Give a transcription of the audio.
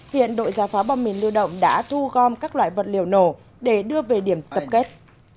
hiện đội giả phá bom mình lưu động đã thu gom các loại vật liệu nổ để đưa về điểm tập kết